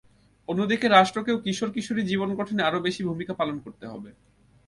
অন্যদিকে রাষ্ট্রকেও কিশোর-কিশোরীদের জীবন গঠনে আরও বেশি ভূমিকা পালন করতে হবে।